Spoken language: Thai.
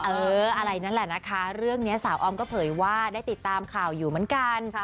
เอออะไรนั่นแหละนะคะเรื่องนี้สาวออมก็เผยว่าได้ติดตามข่าวอยู่เหมือนกัน